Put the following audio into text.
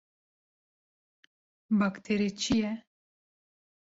Bakterî çi ye?